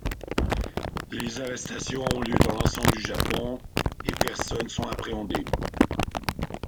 Les arrestations ont lieu dans l'ensemble du Japon, et personnes sont appréhendées.